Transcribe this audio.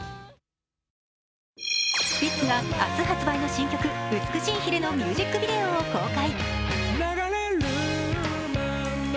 スピッツが明日発売の新曲「美しい鰭」のミュージックビデオを公開。